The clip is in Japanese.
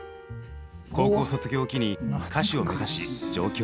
高校卒業を機に歌手を目指し上京。